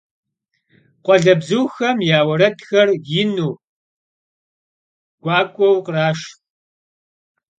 Khualebzuxem ya vueredxer yinu, guak'ueu khraşş.